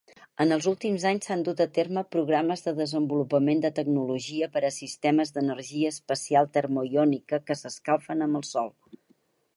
En els últims anys s'han dut a terme programes de desenvolupament de tecnologia per a sistemes d'energia espacial termoiònica que s'escalfen amb el sol.